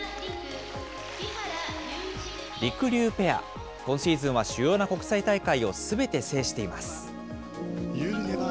りくりゅうペア、今シーズンは主要な国際大会をすべて制しています。